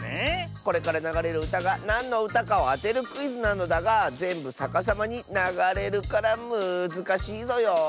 これからながれるうたがなんのうたかをあてるクイズなのだがぜんぶさかさまにながれるからむずかしいぞよ。